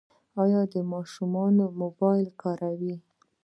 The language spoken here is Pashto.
ایا ماشومان مو موبایل کاروي؟